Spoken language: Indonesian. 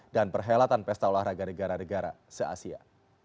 dan perhelatan pesta olahraga negara negara se asia